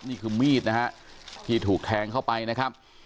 นี่คือมีดนะฮะที่ถูกแทงเข้าไปนะครับ